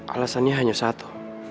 alasannya hanya satu